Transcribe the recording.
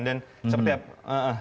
dan seperti itu